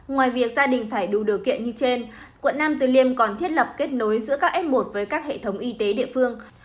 ngoài việc gia đình phải đủ điều kiện như trên quận nam từ liêm còn thiết lập kết nối giữa các f một với các hệ thống y tế địa phương